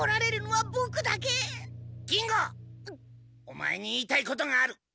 オマエに言いたいことがある。